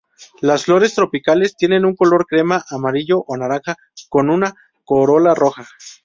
Las flores tropicales tienen un color crema, amarillo o naranja con una corola roja.